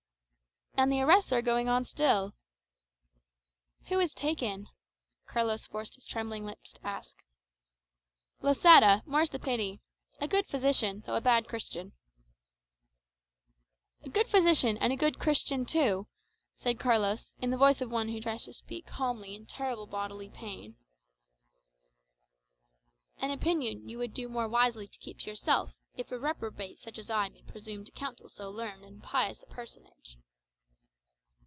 "And the arrests are going on still." "Who is taken?" Carlos forced his trembling lips to ask. "Losada; more's the pity. A good physician, though a bad Christian." "A good physician, and a good Christian too," said Carlos in the voice of one who tries to speak calmly in terrible bodily pain. "An opinion you would do more wisely to keep to yourself, if a reprobate such as I may presume to counsel so learned and pious a personage."